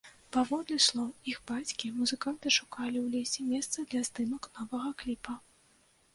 Паводле слоў іх бацькі, музыканты шукалі ў лесе месца для здымак новага кліпа.